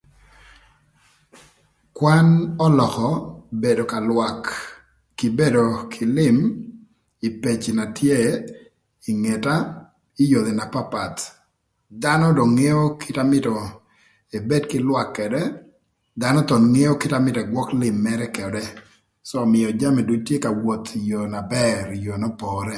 Kwan ölökö bedo ka lwak kï bedo kï lïm ï peci na tye ï ngeta ï yodhi na papath dhanö do ngeo kite na mïtö ebed kï lwak këdë dhanö thon ngeo kite amyero ëgwök lïm mënë këdë ömïö jï duc tye ka woth ï yoo na bër ï yoo n'opore.